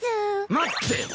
待って！